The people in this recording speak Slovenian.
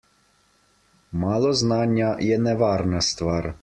Malo znanja je nevarna stvar.